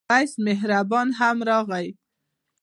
وېس مهربان هم راغی.